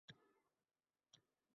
Na u emas, na bu emas.